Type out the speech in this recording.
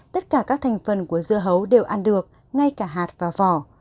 tất cả các thành phần của dưa hấu đều ăn được ngay cả hạt và vỏ